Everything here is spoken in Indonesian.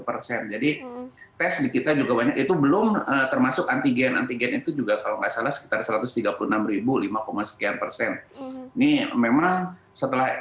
persen jadi tes di kita juga banyak itu belum termasuk antigen antigen itu juga kalau nggak salah